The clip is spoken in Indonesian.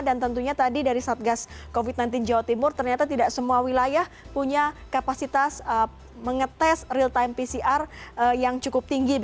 dan tentunya tadi dari satgas covid sembilan belas jawa timur ternyata tidak semua wilayah punya kapasitas mengetes real time pcr yang cukup tinggi